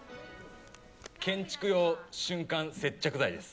建築用瞬間接着剤です。